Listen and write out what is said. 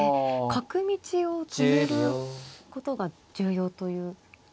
角道を止めることが重要という。